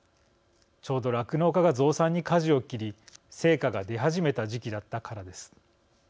ちょうど酪農家が増産にかじを切り、成果が出始めた時期だったからです。